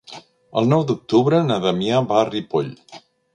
El nou d'octubre na Damià va a Ripoll.